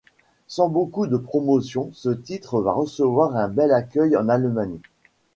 Sans beaucoup de promotion, ce titre va recevoir un bel accueil en Allemagne.